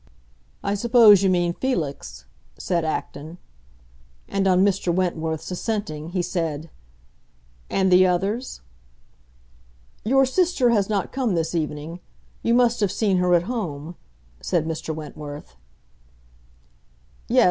"I suppose you mean Felix," said Acton. And on Mr. Wentworth's assenting, he said, "And the others?" "Your sister has not come this evening. You must have seen her at home," said Mr. Wentworth. "Yes.